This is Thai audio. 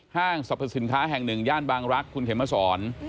ห้างสรรพสินค้าแห่งหนึ่งย่านบางรักษ์คุณเขมสอน